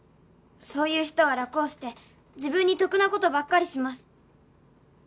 「そういう人は楽をして自分に得な事ばっかりします」